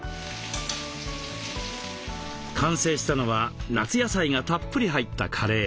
完成したのは夏野菜がたっぷり入ったカレー。